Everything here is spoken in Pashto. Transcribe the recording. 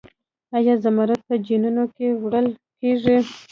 آیا زمرد په جیبونو کې وړل کیږي؟